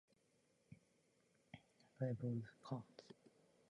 The Poll operates by Borda count.